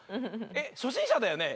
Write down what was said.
えっ初心者だよね？